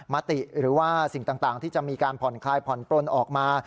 มติหรือว่าสิ่งต่างที่จะมีการผ่อนคลายผ่อนปลนออกมา